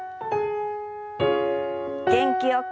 元気よく。